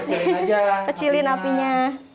masih kecilin aja masih kecilin apinya